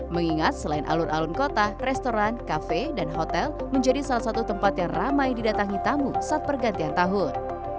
mengingat selain alun alun kota restoran kafe dan hotel menjadi salah satu tempat yang ramai didatangi tamu saat pergantian tahun